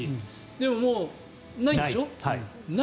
でも、もうないんでしょ。